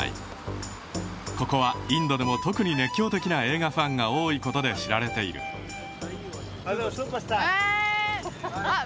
ここはインドでも特に熱狂的な映画ファンが多いことで知られているあっ